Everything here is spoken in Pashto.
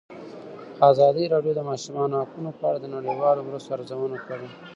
ازادي راډیو د د ماشومانو حقونه په اړه د نړیوالو مرستو ارزونه کړې.